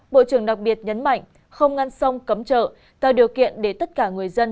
bộ trưởng đặc biệt nhấn mạnh không ngăn sông cấm chợ tạo điều kiện để tất cả người dân